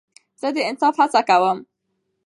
زه د انصاف هڅه کوم.